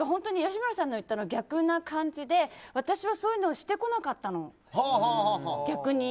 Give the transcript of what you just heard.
吉村さんが言ったのと逆な感じで私は、そういうのをしてこなかったの、逆に。